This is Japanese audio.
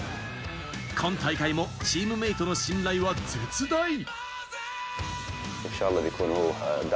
今大会もチームメートの信頼は絶大。